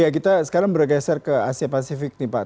kita sekarang bergeser ke asia pasifik nih pak